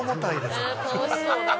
楽しそう。